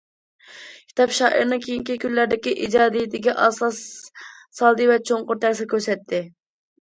كىتاب شائىرنىڭ كېيىنكى كۈنلەردىكى ئىجادىيىتىگە ئاساس سالدى ۋە چوڭقۇر تەسىر كۆرسەتتى.